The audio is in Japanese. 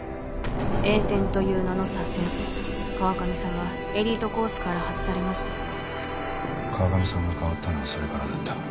栄転という名の左遷川上さんはエリートコースから外されました川上さんが変わったのはそれからだった